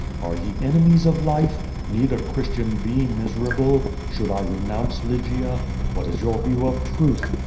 Are ye ene mies of life? Need a Christian be miserable? Should I re nounce Lygia? Wliat is your view of truth?